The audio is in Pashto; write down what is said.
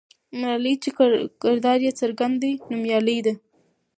ملالۍ چې کردار یې څرګند دی، نومیالۍ ده.